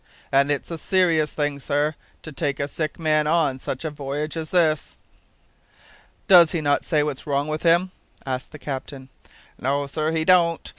And it's a serious thing, sir, to take a sick man on such a voyage as this." "Does he not say what's wrong with him?" asked the captain. "No, sir; he don't.